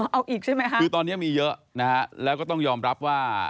เอาอีกใช่ไหมคะคือตอนนี้มีเยอะนะฮะแล้วก็ต้องยอมรับว่า